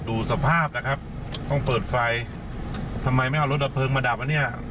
ดูสภาพนะครับต้องเปิดไฟทำไมไม่เอารถดับเพลิงมาดับอันเนี้ย